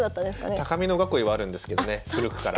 高美濃囲いはあるんですけどね古くから。